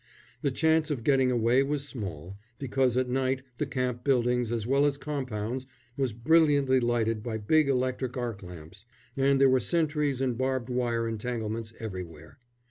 The chance of getting away was small, because at night the camp, buildings as well as compounds, was brilliantly lighted by big electric arc lamps, and there were sentries and barbed wire entanglements everywhere.